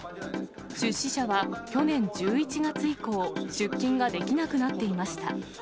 出資者は去年１１月以降、出金ができなくなっていました。